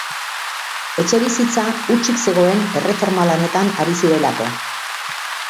Etxebizitza hutsik zegoen erreforma lanetan ari zirelako.